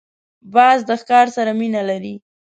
باز د ښکار سره مینه لري